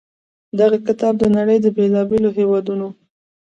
دغه کتاب د نړۍ د بېلا بېلو هېوادونو